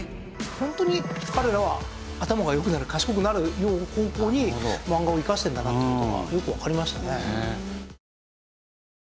ホントに彼らは頭が良くなる賢くなるような方向に漫画を生かしてるんだなって事がよくわかりましたね。